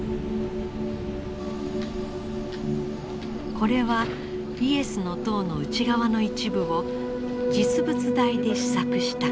これはイエスの塔の内側の一部を実物大で試作した壁。